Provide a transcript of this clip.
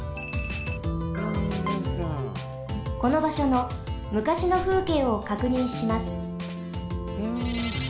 このばしょのむかしのふうけいをかくにんします。